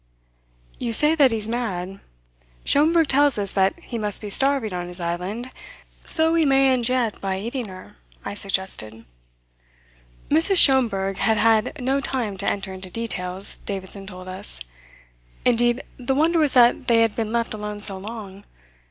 "You say that he's mad. Schomberg tells us that he must be starving on his island; so he may end yet by eating her," I suggested. Mrs. Schomberg had had no time to enter into details, Davidson told us. Indeed, the wonder was that they had been left alone so long.